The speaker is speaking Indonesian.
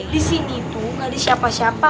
di sini itu gak ada siapa siapa